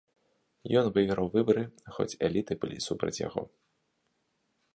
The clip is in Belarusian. Ён выйграў выбары, хоць эліты былі супраць яго.